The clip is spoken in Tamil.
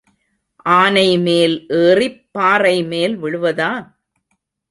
ஆனைமேல் ஏறிப் பாறை மேல் விழுவதா?